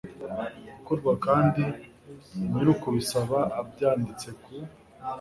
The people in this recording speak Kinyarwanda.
gukorwa kandi nyir ukubisaba abyanditse ku